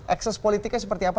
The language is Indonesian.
ekses politiknya seperti apa